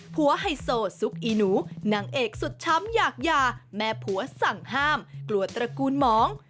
ไฮโซซุกอีหนูนางเอกสุดช้ำอยากหย่าแม่ผัวสั่งห้ามกลัวตระกูลหมอง